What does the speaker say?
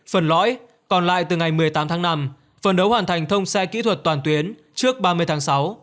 phần lõi còn lại từ ngày một mươi tám tháng năm phần đấu hoàn thành thông xe kỹ thuật toàn tuyến trước ba mươi tháng sáu